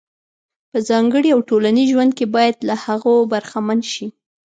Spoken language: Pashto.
په ځانګړي او ټولنیز ژوند کې باید له هغو برخمن شي.